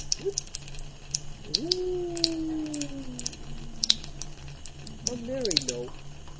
To whit, Tu whoo! A merry note!